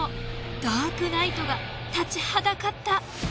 ダークナイトが立ちはだかった。